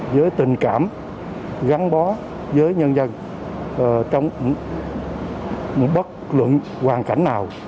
với tình cảm gắn bó với nhân dân trong bất luận hoàn cảnh nào